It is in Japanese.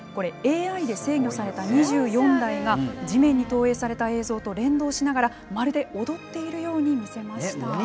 ＡＩで制御された２４台が地面に投影された映像と連動しながらまるで踊っているように見せました。